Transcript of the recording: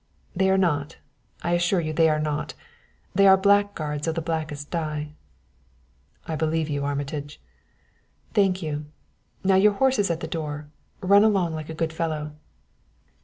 "They are not; I assure you they are not! They are blackguards of the blackest dye." "I believe you, Armitage." "Thank you. Now your horse is at the door run along like a good fellow."